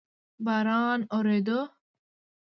باران اوورېدو؟